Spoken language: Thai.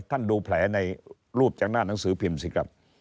ดูแผลในรูปจากหน้าหนังสือพิมพ์สิครับ